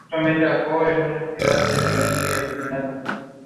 Heineken painted with watercolour and pastel.